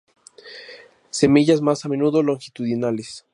Semillas más a menudo longitudinales.